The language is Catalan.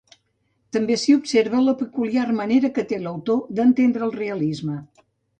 També s'hi observa la peculiar manera que té l'autor d'entendre el realisme.